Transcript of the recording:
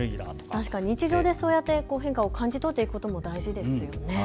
日常でそうやって変化を感じ取っていくことも大事ですよね。